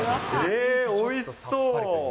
えー、おいしそう。